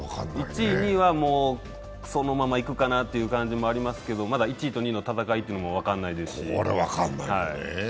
１位、２位はそのままいくかなという感じもありますけどまだ１位と２位の戦いも分からないですし。